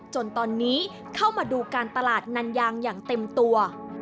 จนตอนนี้เข้ามาดูการตลาดนันยางอย่างเต็มตัว